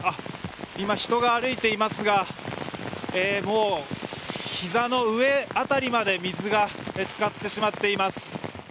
今、人が歩いていますがもうひざの上辺りまで水が浸かってしまっています。